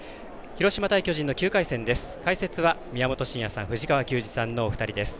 広島対巨人の９回戦です。